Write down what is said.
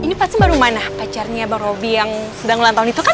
ah ini pasti bang rumana pacarnya bang robby yang sudah ngelola tahun itu kan